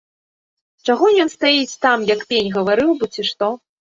Чаго ён стаіць там, як пень, гаварыў бы, ці што.